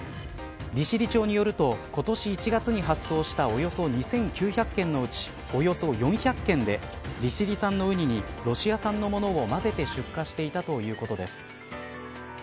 利尻町によると今年１月に発送したおよそ２９００件のうちおよそ４００件で利尻産のウニにロシア産のものをまぜて出荷していたということです。